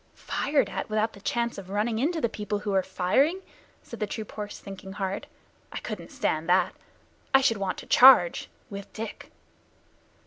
"Fired at without the chance of running into the people who are firing!" said the troop horse, thinking hard. "I couldn't stand that. I should want to charge with Dick."